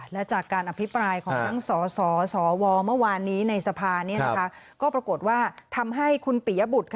และจากการอภิปรายของทั้งสสวเมื่อวานนี้ในสภาก็ปรากฏว่าทำให้คุณปิยบุตร